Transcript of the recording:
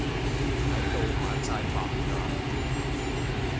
睇到反晒白眼。